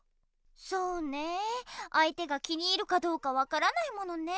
そうねえあいてが気に入るかどうか分からないものね。